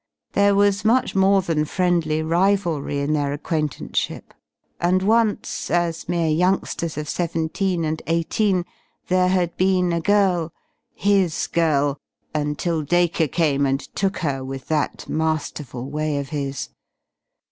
There was much more than friendly rivalry in their acquaintanceship. And once, as mere youngsters of seventeen and eighteen, there had been a girl, his girl, until Dacre came and took her with that masterful way of his.